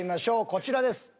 こちらです。